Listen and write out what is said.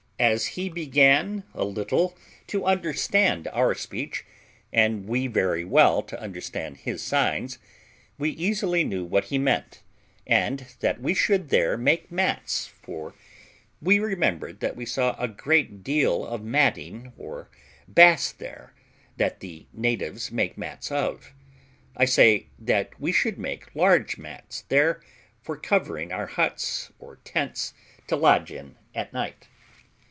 As he began a little to understand our speech, and we very well to understand his signs, we easily knew what he meant, and that we should there make mats (for we remembered that we saw a great deal of matting or bass there, that the natives make mats of) I say, that we should make large mats there for covering our huts or tents to lodge in at night.